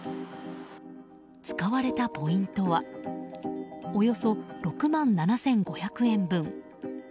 使われたポイントはおよそ６万７５００円分。